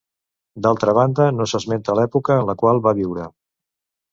D'altra banda no s'esmenta l'època en la qual va viure.